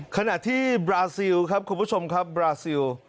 ขณะที่บราซิลครับคุณผู้ชมครับบราซิล